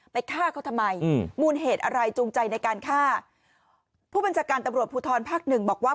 ฆ่าเขาทำไมอืมมูลเหตุอะไรจูงใจในการฆ่าผู้บัญชาการตำรวจภูทรภาคหนึ่งบอกว่า